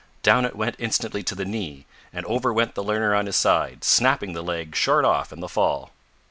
Down it went instantly to the knee, and over went the learner on his side, snapping the leg short off in the fall!